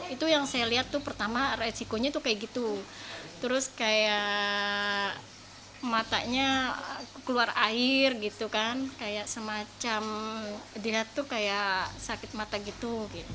itu yang saya lihat tuh pertama resikonya tuh kayak gitu terus kayak matanya keluar air gitu kan kayak semacam dia tuh kayak sakit mata gitu